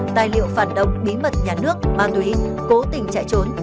tài liệu phản động bí mật nhà nước ban tùy cố tình chạy trốn